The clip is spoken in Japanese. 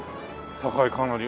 高いかなり。